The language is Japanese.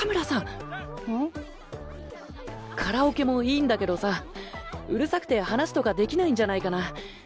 カラオケもいいんだけどさうるさくて話とかできないんじゃないかな？